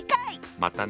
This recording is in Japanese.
またね。